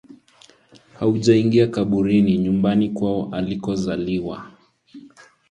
haujaingia kaburini nyumbani kwao alikozaliwa